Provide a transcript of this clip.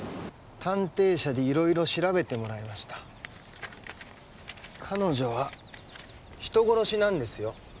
探偵社でいろいろ調べてもらいました彼女は人殺しなんですよ